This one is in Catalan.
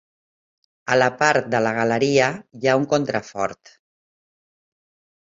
A la part de la galeria hi ha un contrafort.